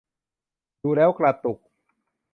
ดูแล้วกระตุก